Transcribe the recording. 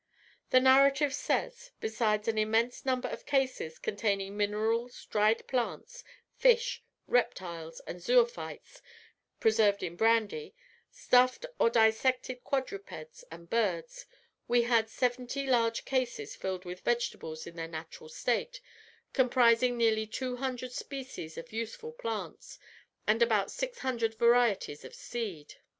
The narrative says, "Besides an immense number of cases, containing minerals, dried plants, fish, reptiles, and zoophytes, preserved in brandy, stuffed or dissected quadrupeds and birds, we had seventy large cases filled with vegetables in their natural state, comprising nearly two hundred species of useful plants, and about six hundred varieties of seeds.